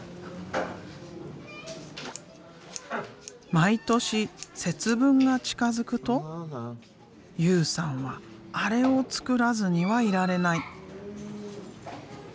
毎年節分が近づくと雄さんはあれを作らずにはいられない。